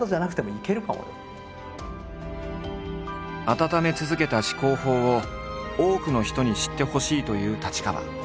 温め続けた思考法を多くの人に知ってほしいという太刀川。